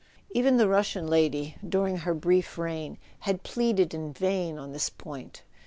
Even the Russian lady, dur¬ ing her brief reign, had pleaded in vain on this point.